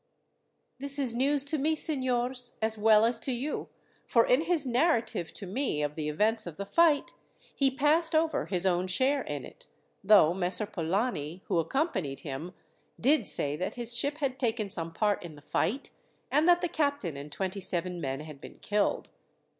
"This is news to me, signors, as well as to you, for in his narrative to me of the events of the fight, he passed over his own share in it, though Messer Polani, who accompanied him, did say that his ship had taken some part in the fight, and that the captain and twenty seven men had been killed.